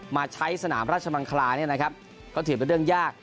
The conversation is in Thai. มาใช้สนามราชมังคลาเนี่ยนะครับก็ถือเป็นเรื่องยาก